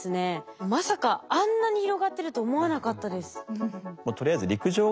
まさかあんなに広がってると思わなかったです。